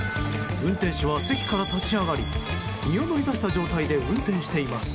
運転手は席から立ち上がり身を乗り出した状態で運転しています。